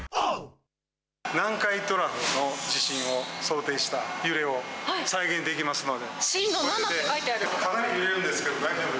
南海トラフの地震を想定した揺れを再現できますので。